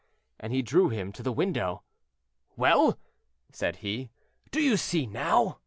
and he drew him to the window. "Well," said he, "do you see now?"